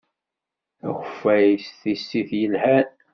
Akeffay d tissit yelhan.